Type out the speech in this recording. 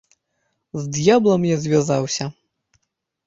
З д'яблам я звязаўся!